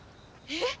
えっ！？